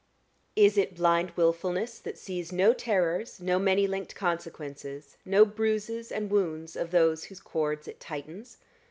Is it blind wilfulness that sees no terrors, no many linked consequences, no bruises and wounds of those whose cords it tightens?